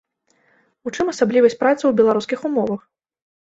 У чым асаблівасць працы ў беларускіх умовах?